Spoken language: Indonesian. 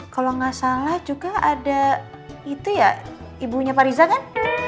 kalau nggak salah juga ada itu ya ibunya pak riza kan